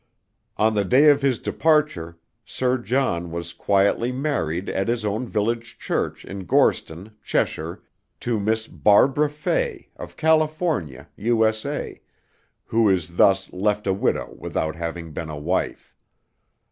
On the day of his departure Sir John was quietly married at his own village church in Gorston, Cheshire, to Miss Barbara Fay of California, U.S.A., who is thus left a widow without having been a wife.